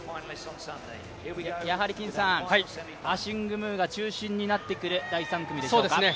やはりアシング・ムーが中心になってくる第３組でしょうか？